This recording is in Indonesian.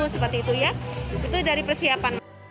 seperti itu ya itu dari persiapan